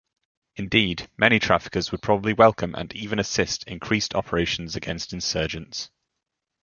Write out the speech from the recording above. Indeed, many traffickers would probably welcome, and even assist, increased operations against insurgents.